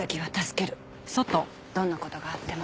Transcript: どんな事があっても。